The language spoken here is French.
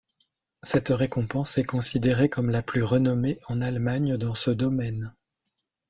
Cette récompense est considérée comme la plus renommée en Allemagne dans ce domaine.